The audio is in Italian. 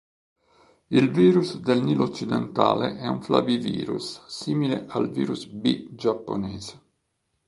Il virus del Nilo occidentale è un flavivirus simile al virus B giapponese.